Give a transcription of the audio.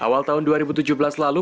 awal tahun dua ribu tujuh belas lalu